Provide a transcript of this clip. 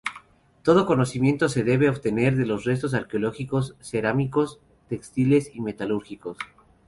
Todo conocimiento se debe de obtener de los restos arqueológicos cerámicos, textiles y metalúrgicos.